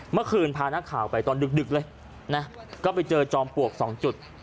เมื่อคืนพานักข่าวไปตอนดึกเลยนะก็ไปเจอจอมปลวก๒จุด